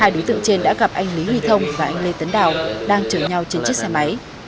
hai đối tượng trên đã gặp anh lý huy thông và anh lê tấn đào đang chở nhau trên chiếc xe máy